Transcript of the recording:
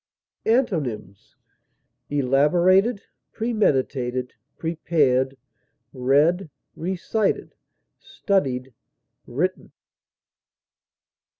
Antonyms: elaborated, premeditated, prepared, read, recited, studied, written.